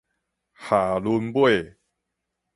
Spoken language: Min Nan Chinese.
下崙尾